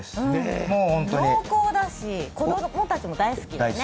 濃厚だし、本当に子供たちも大好きなんだよね。